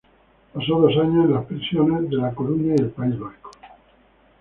Pasó dos años en las prisiones de la Coruña y País Vasco.